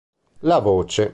La Voce